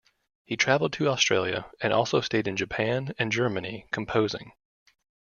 He traveled to Australia, and also stayed in Japan and Germany composing.